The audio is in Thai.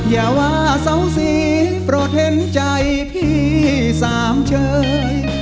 อย่าว่าเสาสีโปรดเห็นใจพี่สามเชย